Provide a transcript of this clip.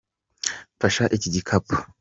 Mfasha iki gikapu.